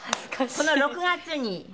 この６月に。